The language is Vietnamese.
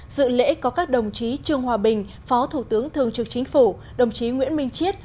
dự lễ có các đồng chí trương hòa bình phó thủ tướng thường trực chính phủ đồng chí nguyễn minh chiết